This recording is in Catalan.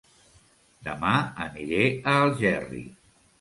Dema aniré a Algerri